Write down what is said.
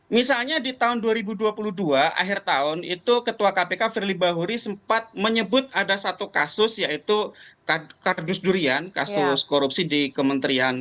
misalnya di tahun dua ribu dua puluh dua akhir tahun itu ketua kpk firly bahuri sempat menyebut ada satu kasus yaitu kardus durian kasus korupsi di kementerian